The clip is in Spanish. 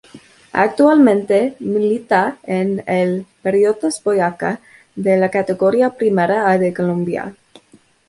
Actualmente milita en el Patriotas Boyacá de la Categoría Primera A de Colombia.